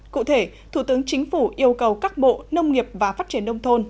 cụ thể thủ tướng chính phủ yêu cầu các bộ nông nghiệp và phát triển nông thôn